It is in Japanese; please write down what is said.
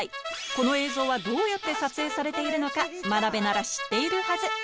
この映像はどうやって撮影されているのか真鍋なら知っているはず